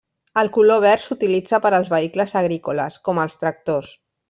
El color verd s'utilitza per als vehicles agrícoles, com els tractors.